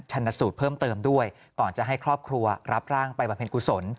สูตรเพิ่มเติมด้วยก่อนจะให้ครอบครัวรับร่างไปบำเพ็ญกุศล